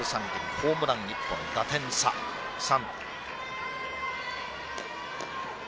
ホームラン１本、打点３。